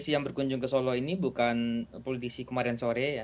politik yang berkunjung ke solo ini bukan politik kemarin sore